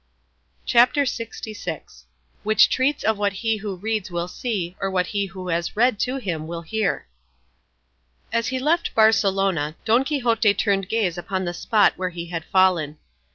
CHAPTER LXVI. WHICH TREATS OF WHAT HE WHO READS WILL SEE, OR WHAT HE WHO HAS IT READ TO HIM WILL HEAR As he left Barcelona, Don Quixote turned gaze upon the spot where he had fallen.